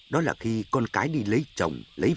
đó là khi con cái đi lấy chồng lấy bà con